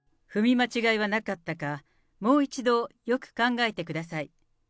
間違いはなかったか、もう一度よく考えてください。